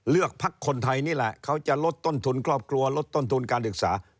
พักคนไทยนี่แหละเขาจะลดต้นทุนครอบครัวลดต้นทุนการศึกษา